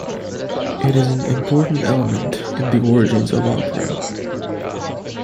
It is an important element in the origins of opera.